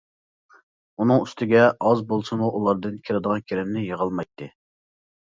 ئۇنىڭ ئۈستىگە ئاز بولسىمۇ بۇلاردىن كىرىدىغان كىرىمنى يىغالمايتتى.